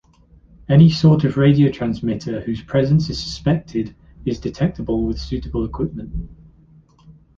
Any sort of radio transmitter whose presence is suspected is detectable with suitable equipment.